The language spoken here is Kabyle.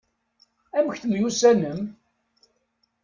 Amek temyussanem?